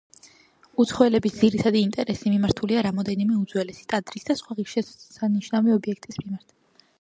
უცხოელების ძირითადი ინტერესი მიმართულია რამდენიმე უძველესი ტაძრის და სხვა ღირსშესანიშნავი ობიექტის მიმართ.